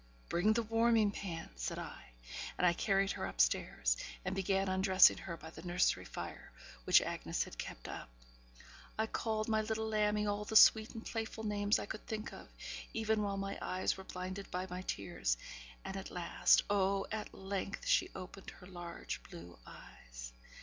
'Bring me the warming pan,' said I; and I carried her upstairs and began undressing her by the nursery fire, which Bessy had kept up. I called my little lammie all the sweet and playful names I could think of, even while my eyes were blinded by my tears; and at last, oh! at length she opened her large blue eyes.